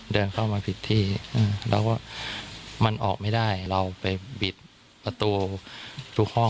เดินเข้ามาผิดที่แล้วก็มันออกไม่ได้เราไปบิดประตูทุกห้อง